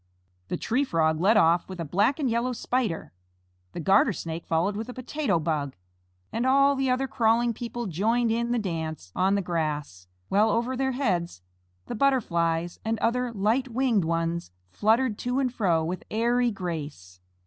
The Tree Frog led off with a black and yellow Spider, the Garter Snake followed with a Potato Bug, and all the other crawling people joined in the dance on the grass, while over their heads the Butterflies and other light winged ones fluttered to and fro with airy grace.